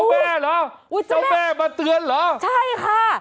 แม่เหรอเจ้าแม่มาเตือนเหรอใช่ค่ะ